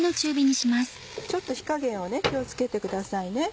ちょっと火加減を気を付けてくださいね。